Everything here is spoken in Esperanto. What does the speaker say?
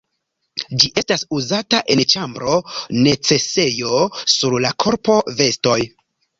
Ĝi estas uzata en ĉambro, necesejo, sur la korpo, vestoj.